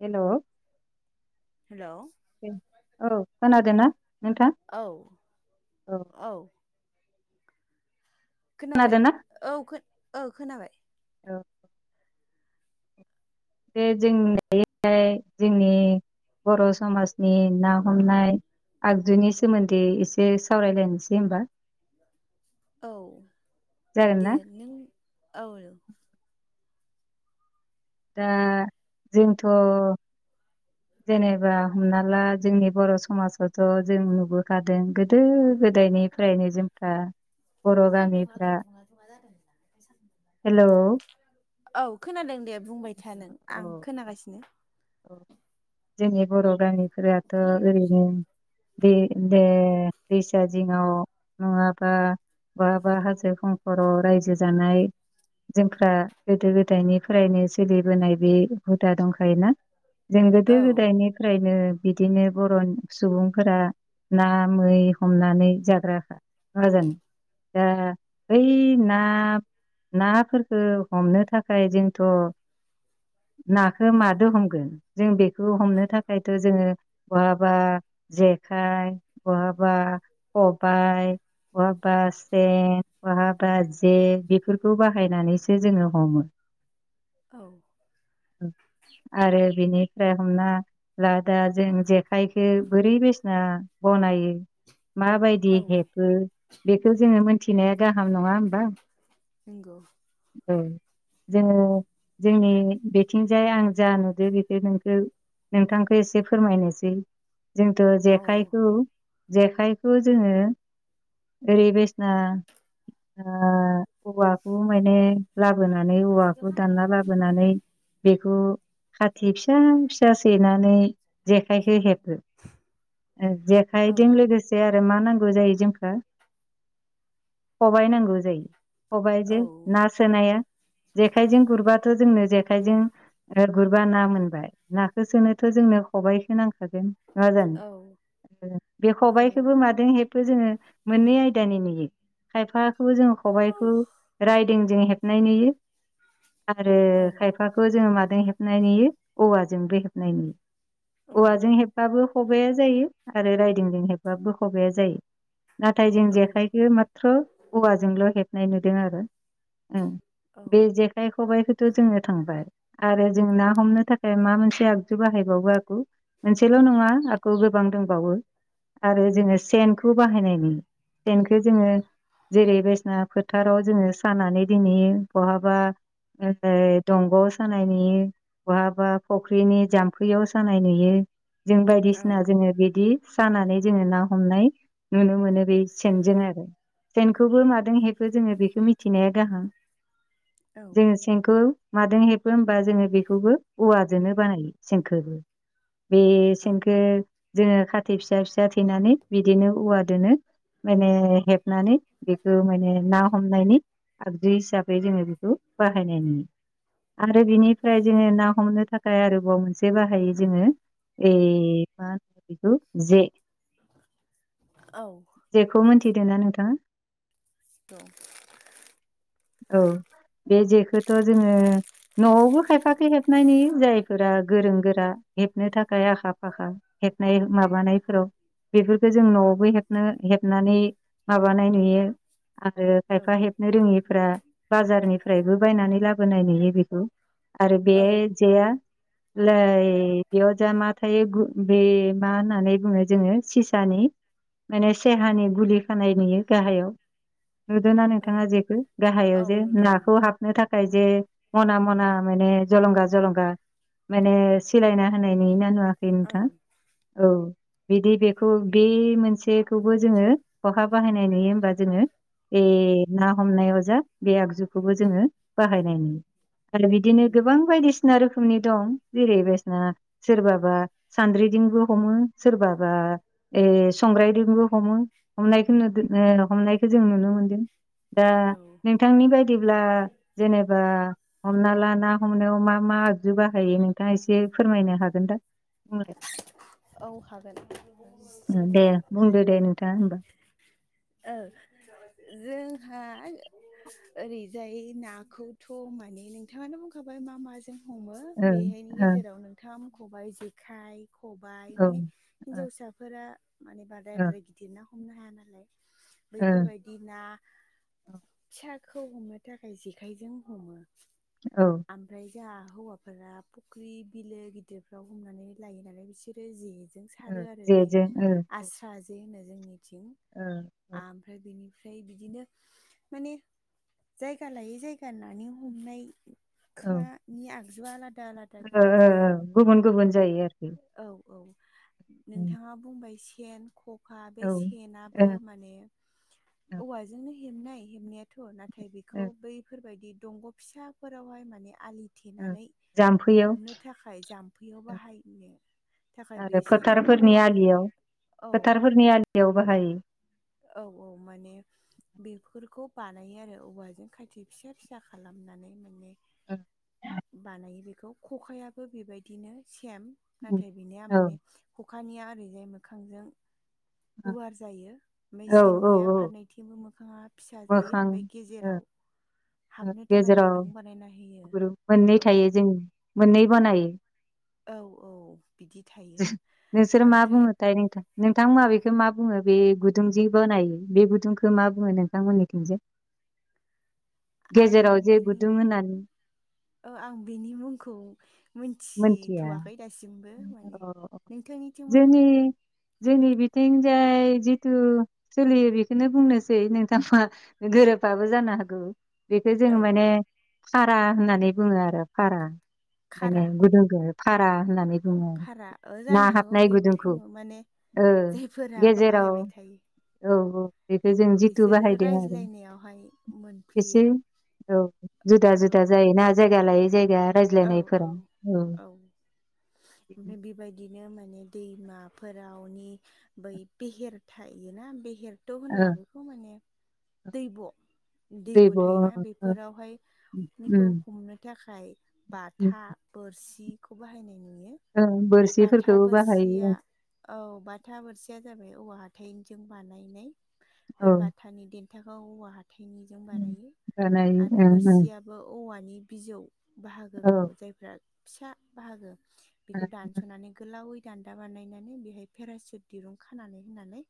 हेल'। Hello. औ खोनादोना। औ औ खोनाबाय खोनादोंना औ औ खोनाबाय औ बे जोंैहाय जोंनि बर' समाजनि ना हमनाय आगजुनि सोमोन्दै एसे सावरायलायनोसै होमबा औ जागोन दे ना नों औ दा जोंथ' जेनेबा हमना ला जोंनि बर' समाजावथ' जों नुबो गादों गोदो गोदायनिफ्रायनो जोंफ्रा बर' सानदुङा गामिफ्रा गैदुङा दुङा जादोंमोन सद हेलौ औ खोनादों दे बुंबाय थ नों आं खोनागासिनो जोंनि बर' गामिफोराथ' ओरैनो बे जे रिसार्जिंआव नङाबा बा बा हाजो खंखराव रायजो जानाय जोंफ्रा गोदो गोदायनिफ्रायनो सोलिबोनाय बे हुदा दंखायोना जों गोदो औ गोदायनिफ्रायनो बिदिनो बर' सुबुंफोरा ना मै हमनानै जाग्रााखा मा जानो दा ओइ ना नाफोरख हमनो थाखाय जोंथ' नाखौ औ मादो हम जों बेखौ हमनो थाखायथ' जोङो बहाबा जेखाइ बहाबा खबायाइ बाबा से बहाबा जे बेफोरखौ बाहायनानैसो जोङो हमो औ आरो बिनिफ्राय हमना ला दा जों जेखाइखो बोरै बिसिना बनायो माबायदि औ हेबो बेखौ जोङो मोनथिनाया गाहाम नङा होमबा नंगौ [inaudible] जोङो जोंनि बिथिंजाय आं जा नुदों बेखौ नोंखौ नोंथांखौ एसे फोरमायनोसै जोंथ' औ जेखाइखौ जेखाइखौ जोङो ओरै बायसिना ओ औवाखौ माने लाबोनानै औवाखौ दानना लाबोनानै बेखौ खाथि फिसा फिसा सैनानै जेखाइखौ हेबो। [inaudible] औ जेखाइजों लोगोसे जे आरो मा नांगौ जायो जोंखो [inaudible] खबाइ नांगौ जायो। औ खबाइजों ना सोनाया जेखाइजों गुरबाथ' जोंनो जेखाइजों गुरबा ना मोनबाय नाखौ सोनोथ' जोंनो खबाइखौ नां गोन नङा औ जानो बे औ खबाइखौबो मा जों हेबो जोङो मोननै आयदानि नुयो। खायफाखौ जोङो खबाइखौ जिंजों हेबनाय नुयो आरो औ खायफा ख'खाखौ जोङो माजों हेबनाय नुयो औवाजोंबो हेबनाय नुयो। औवाजों हेबबाबो खबाइ'या जायो आरो राइदिंजों हेबबाबो खबाइ'या जायो। नाथाय जों जेखाइखो माथ्र' औवाजोंल' हेबनाय नुदों आरो। उम औ बे जेखाइ खबाइखौथ' जोङो थांबाय। आरो जों ना हमनो थाखाय मा मोनसे आगजु बाहायबावो आगु मोनसेल' नङा आखो गोबां दंबावो आरो जोङो सेन खौ बाहायनाय नुयो। सेनखौ जोङो जेरै बायसिना फोथाराव जोङो सानानै दिनैयो बहाबा ओरै दंग' सानायनि बहाबा फुख्रिनि जाम्फैयाव सानाय नुयो। जों औ बायदिसिना जोङो बिदि सानानै जोङो ना हमनाय नुनो मोनो बे सेनजों आरो। सेनखौबो मादों हेबो जोङो बेखौ मिथिनाया गाहाम। [inaudible] जोङो सेनखौ मादों हेब बो होमबा जोङो बेखौबो औवाजोंनो बानायो सेनखोबो बे औ सेनखो जोङो खाथि फिसा फिसा थैनानै बिदिनो औवा दोनो। माने हेब हनानै बेखौ माने ना हमनायनि आगजु हिसाबै जोङो बेखौ बाहायनाय नुयो आरो बिनिफ्राय जोङो ना हमनो थाख आरोबाव मोनसे बाहायो जोङो इ मा होनो बेखौ जे। [inaudible] औ। जेखौ मोनथिदो ना नोंथाङा? द' औ बे जेखौथ' जोङो न'आवबो खायफाखै हेबनाय नुयो जायफोरा गोरों गोरा हेबनो थाखाय आखा-फाखा हेबनाय माबानायफोराव बेफोरखौ जों न'आवबो हेबनो-हेबनानै माबानाय नुयो आरो खायफा औ हेबनो रोङिफ्रा बाजारनिफ्रायबो बायनानै लाबोनाय नुयो बेखौ। आरो बे औ जेया लै बेयाव जा मा थायो गु बे मा होननानै बुङो जोङो सिसानि माने सेहानि गुलि खानाय नुयो गाहायाव। नुदोंना औ नोंथाङा जेखो गाहायाव औ जे नुदों नाखौ हाब नो थाखाय जे मना मना माने जलंगा जलंगा। माने सिलायना होनायनि ना नुवा बि औ नोंथां औ बिदि बेखौ बे मोनसे बेखौबो जोङो खहा बाहायनाय नुयो होमबा जोङो ए ना हमनायाव जा बे आगजुखौबो जोङो बाहायनाय नुयो। आरो बिदिनो उम गोबां बायदिसिना रोखोमनि दं जेरै बेसना सोरबाबा सान्द्रिदिंबो हमो सोरबाबा ए संग्रायदोंबो हमो हमनायखौ नुदो ओ हमनायखौ जों नुनो मोनो। दों। दा औ नोंथांनि बायदिब्ला जेनेबा हमना ला ना हमनायाव मा मा आगजु बाहायो नोंथाङा एसे फोरमायनो हागोन दा बुंलाय। औ हागोन ओ जिनायखौ दे बुंदो दे नोंथाङा होमबा [inaudible] ओ जोंहा। ओरैजाय नाखौथ' माने नोंथाङानो बुंखाबाय मा माजों। हमो ओं बेहायनि ओं गेजेराव नोंथांङा मख'बाय जेखाइ। खबाइ औ माने हिनजावसाफोरा माने ओं बाराद्राय गिद। दिरा ना हमनो हाया नालाय ओं बैफोरबाय। दि ना ओं फिसाखौ हमनो थाखाय जेखाइजों हमो। औ। ओमफ्राय जोंहा हौवाफोरा फुख्रि बिलो गिदिरफ्राव हमनानै। लायो नालाय बिसोरो जेजों ओ सारो आरो गें जेजों आस्रा जे होनो जोंनिथिं। ओ। आमफ्राय बिनिफ्राय बिदिनो माने जायगा लायै जायगा नानि हमनायखानि आगजुआ आलादा आलादा। गोनां ओओओ जायो गुबुन औ गुबुन जायो आरोखि। औ औ उम नोंथांङा बुंबाय सेन खक। खा बे औ ओ सेनाबो ओ माने औवाजोंनो हेबनाय हेबनायाथ' ना। थाय बेखौ ओ बैफोरबायदि दंग' फिसाफोरावहाय माने आलि। ओ थेनानै जाम्फैयाव हमनो थाखाय जाम्फैयाव बाहायनो। थाखाय बे आरो सेनखौ फोथारफोरनि औवानि औ। बेयाव बाहायो। औ औ माने। बेफोरखौ बानायो आरो औवाजों खाथि फिसा फिसा खालामनानै माने। बानायो बेखौ खखायाबो बेबायदिनो सेम। उम नाथाय बिनिया औ माने खखानिया ओरैजाय मोखांजों गुवार जायो। ओमफ्राय औ औ सेननिया औ फारनैथिंबो मोखाङा फिसा जायो मोखां ओमफ्राय गेजेराव। हाबनो [inaudible] थाखाय गेजेराव गुदुं बानायना होयो मोननै औ थायो जों मोननै बानायो। औ औ। बिदि थायो। नोंसोर मा ओमफ्राय बुंङो थाय। नोंथांमोनहा बेखौ मा बुङो बे गुदुं जि बानायो बे गुदुंखौ मा बुङो नोंथांमोननिथिंजाय। आं गेजेराव जे गुदुं होनानै। ओ आं बिनि मुंखौ। मोनथिया मोनथिथ'वाखै दासिमबो माने अ नोंथांनिथिं मा जोंनि होनो। जोंनि बिथिंजाय जिथु सोलियो बेखौनो बुंनोसै नोंथांङा। गोरोबाबो जानो हागौ। बेखौ जों औ माने फारा होननानै बुङो आरो फारा खारा माने। गुदुंखौ फारा होननानै बुङो भारा ना जानो हागौ हाबनाय बेबो गुदुंखौ। बुङो माने ओ जायफोरा गेजेराव बाहायबाय थायो औ औ। बेखौ जों जिथु बिसोरो बाहायदों आरो रायज्लायनायावहाय एसे। मोनफ्लेयो औ जुदा औ जुदा जायोना जायगा लायै जायगा रायज्लायनायफोरा औ। औ ओमफ्राय बेबायदिनो माने दैमाफोरावनि। बै बेहेर थायोना बेहेर। ट' ओ होनब्ला बेखौ माने दैब'। दैब थायोना ओ बेफोरावहाय बेखौ उम हमनो थाखाय। उम बाथा बोरसिखौ बाहायनाय नुयो। ओ बाथा बोरसिफोरखौबो बोरसिया। बाहायो औ बाथा बोरसिया जाबाय औवा हाथायनिजों बानायनाय बे औ बाथा। हाथानि देन्थाखौ औवा हााइनिजों बानायो जानाय आरो ओं ओं बोरसिया। औवानि बिजौ औ बाहागोखौ जायफोरा फिसा बाहागो बेखौ दान्स। होनानै गोलावै दान्दा बानायनानै बेहाय पेरासुट दिरुं खानानै होनानै।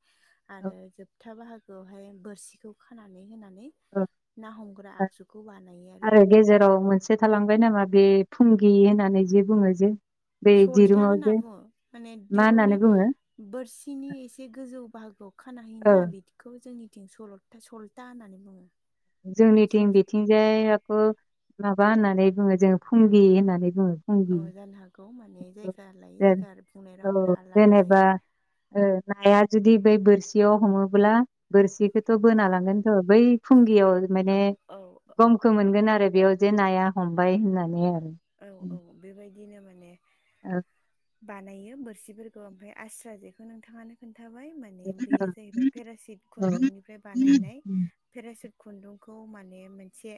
औ आरो जोबथा बाहागोआवहाय बोरसिखौ खानानै होनानै औ ना हमग्रा औ आगजुखौ बानायो आरो। गेजेराव मोनसे थालांबाय नामा बे फुंगि होननानै जे बुङो जे बे सलथा दिरुङाव होनना जे बुङो माने मा दिरुंनि होननानै बुङो बोरसिनि एसे गोजौ बाहागोआव खाना ओ होयोना बिदि बेखौबो जोंनिथिं सल'था सल'था होननानै बुङो। सल जोंनिथिं बिथिंजायखौ माबा होननानै बुङो जोङो फुंगि होननानै बुङो। औ फुंगि जानो हागौ माने औ जायगा लायै जेन- जायगा बुंनाय रावफोरा औ आलादा जेनेबा जायो। नाया जुदि बै बोरसियाव हमोब्ला। बोरसिखौथ' बोना औ लांगोनथ' बै फुंगियाव औ माने औ औ गमखौ मोनगोन आरो बेयाव जे नाया हमबाय होननानै आरो। औ औ बेबायदिनो माने। औ। बानायो बोरसिफोरखौ ओमफ्राय आस्रा जेखौ नोंथाङानो खोन्थाबाय माने औ बेयो जाहैबाय पेरासिट औ खुन्दुंनिफ्राय बानायनाय। पेरासुट खुन्दुंखौ माने मोनसे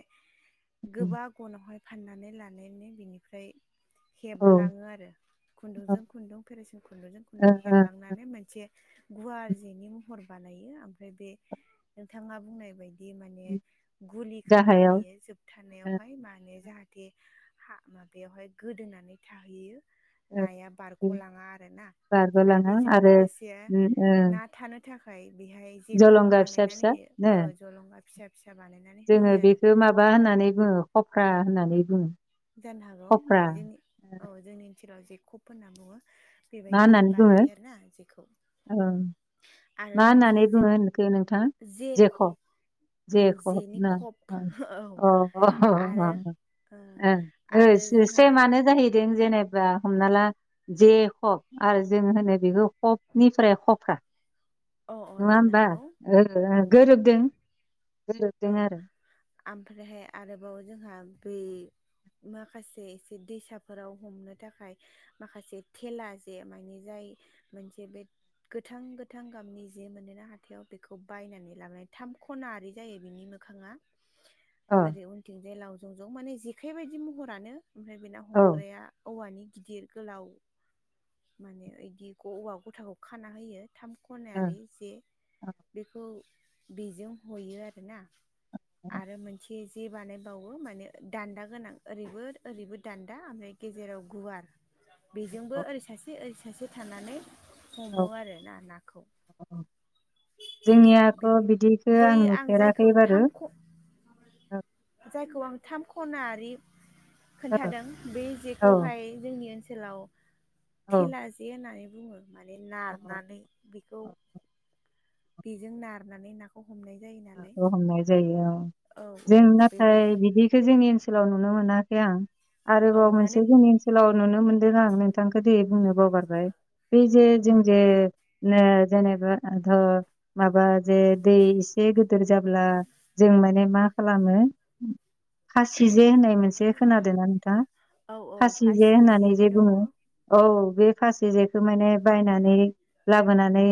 औ गोबा गनावहाय फाननानै लानो बानायनो बिनिफ्राय ओ हेबलाङो आरो ओ खुन्दुंजों खुन्दुं फेरासुट खुन्दुंजों खुन्दुं हेबलांना मोनसे गुवार जेनि महर बानायो ओमफ्राय बे नोंथाङा बुंनाय बाय दि माने गुलि खाना गाहायाव होयो ओ जोबथानायावहाय मा होनो जाहाथे हा माबायावहाय गोदोनानै थाहैयो। नाया ओ बारग'लाङा आरोना आरो बारग'लाङो बेजों आरो लोगोसे उम ओ ना थानो थाखाय बेहाय जे खब जलंगा फिसा बानायनानै फिसा नो होयो जलंगा फिसा फिसा बानायनानै जोङो होयो आरो बेखौ माबा होननानै बुङो खफ्रा होननानै बुङो। जानो हागौ खफ्रा माने जोंनि औ जोंनि ओनसोलाव जे खप होनना बुङो। मा बेबायदि होननानै बुङो बानायो आरोना जेखौ ओ मा आरो होननानै मोनसे जों बुङो होनखो नोंथां जे जेख' खप जेखप जेनि ना खप ओं। औ अ ह अ आरो ओ ओं ओ आरो एस जोंहा एसे माने जाहै जेनेबा हमना ला जेखब आरो जों होनो बेखौ खफनिफ्राय खफ्रा अ अ नङा जानो होमबा हागौ ओं औ ओं औ गोरोबदों। औ गोरोबदों आरो आमफ्रायहाय आरोबाव जोंहा बै माखासे एसे दैसाफोराव हमनो थाखाय माखासे थेला जे माने जाय मोनसे बे गोथां गोथां गाबनि जे मोनोना हाथायाव बेखौ बायनानै लाबोनानै थाम खनाआरि जायो बिनि मोखाङा अ ओरै उन थिंजाय लावजं जं माने जेखाइ बायदि महरानो ओमफ्राय बेना औ ओ हमग्राया औवानि गिदिर गोलाव माने बिदि औवा गथाखौ खाना होयो थाम खनायारि जे बेखौ बेजों हयो आरोना। आरो मोनसे जे बानायबावो माने दान्दा गोनां ओरैबो ओरैबो दान्दा ओमफ्राय गेजेराव गुवार बेजोंबो औ ओरै सासे ओरै सासे थानानै औ हमो आरोना नाखौ। औ जोंनियाख' बे बिदिखो बै आं नुफेराखै जायखौ बारु थाम ख औ जायखौ आं थाम खना आरि औ खोन्थादों बे औ जेखौहाय जोंनि ओनसोलाव औ थेला जे होननानै बुङो माने नारनानै बेखौ बेजों नारनानै नाखौ हमनाय जायो। नालाय नाखौ हमनाय जायो औ। औ औ जों नाथाय बेबायदि बिदिखौ जोंनि ओन सोलाव नुनो मोनाखै आं। औ आरोबाव माने मोनसे जोंनि ओनसोलाव नुनो मोनदों आं नोंथांखौ दि बुंनो बावगारबाय बे जे जों जे जेनेबाध' माबा जे दै एसे गिदिर जाब्ला जों माने मा खालामो। खासि जे होननाय मोनसे खोनादों ना नोंथां औ औ खासि जे फासि होननानै जेबो जे दङ बुङो। औ औ बे खासि जेखौ माने बायनानै लाबोनानै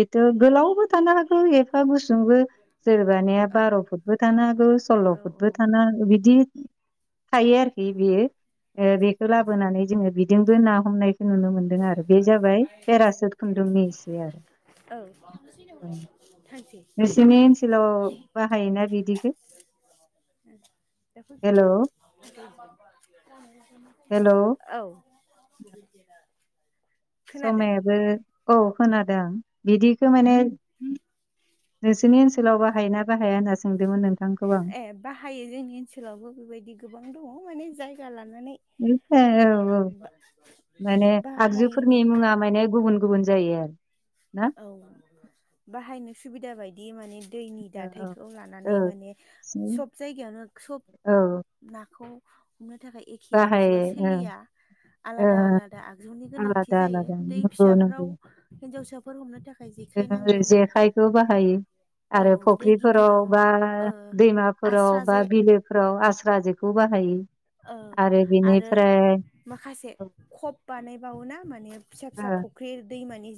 बेथ' गोलावबो थानो हागौ एफा गुसुंबो जेनेबानिया बार' फुटबो थानो हागौ सल्ल' औ फुटबो औ थानो हागौ बिदि थायो आरोखि बेयो बेखौ लाबोनानै जोङो बिजोंबो ना हमनाय खौ नुनो मोनदों आरो बे जाबाय पेरासुट खुन्दुंनि एसे आरो औ थांसै ए नोंसोरनि ओनसोलाव बाहायोना बिदिखौ दलि हेलौ हेलौ [unintelligible] औ खोनादों समायाबो औ खोनादों बिदिखौ माने नोंसोरनि ओनसोलाव बाहाय ना बाहाया होनना सोंदोंमोन नों ए बाहायो जोंनि ओनसोलावबो बेबायदि गोबां दङ माने जायगा लानानै उम औ औ बा माने आगजुफोरनि बाहायनो मुङा माने गुबुन गुबुन जायो आरो [inaudible] औ बाहायनो सुबिदा बायदि माने दैनि औ दाथायखौ लानानै माने सब जायगायावनो सब औ नाखौ हमनो थाखाय एखे आगजुआ बाहायो ओं सोलिया आलादा ओ आलादा आगजुनि गोनांथि आलादा जायो आलादा दै नंगौ फिसाफ्राव नंगौ हिनजावसाफोर हमनो थाखाय जेखाय नांगौ जेखाइखौ बाहायो औ आरो दै फुख्रिफोराव गिदिराव बा ओ आस्रा दैमाफोराव बा जे बिलोफ्राव आस्रा जेखौ बाहायो ओ आरो बिनिफ्राय माखासे खब बानायबावोना माने फिसा फिसा ओ फुख्रि दैमानि